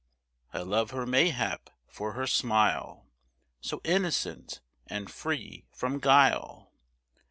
I love her mayhap for her smile, So innocent and free from guile.